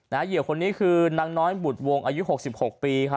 เหยื่อคนนี้คือนางน้อยบุตรวงอายุ๖๖ปี